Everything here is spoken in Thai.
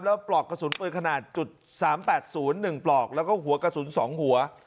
แล้วปลอกกระสุนปืนขนาด๓๘๐๑ปลอกแล้วก็หัวกระสุน๒หัว